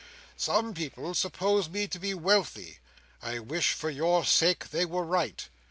Some people suppose me to be wealthy. I wish for your sake they were right.